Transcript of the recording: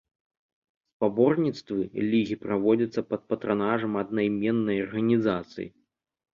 Спаборніцтвы лігі праводзяцца пад патранажам аднайменнай арганізацыі.